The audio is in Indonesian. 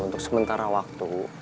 untuk sementara waktu